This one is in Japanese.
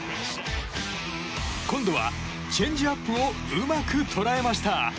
今度は、チェンジアップをうまく捉えました。